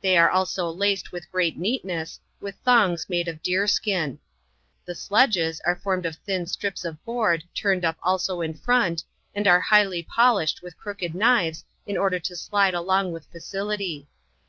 They are also laced with great neatness, with thongs made of deer skin. The sledges are formed of thin slips of board turned up also in front, and are highly polished with crooked knives in order to slide along with facility.